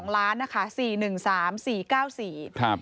๑๒ล้านนะคะ